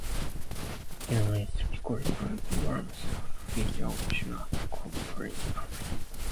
Hammerstein's lyrics project warmth, sincere optimism, and occasional corniness.